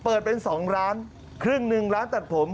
เปิดเป็น๒ร้านครึ่งหนึ่งร้านตัดผม